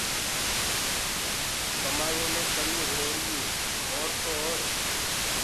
ڪمآيو مي ڪميٚ هُريهريٚ ئي اور تو اور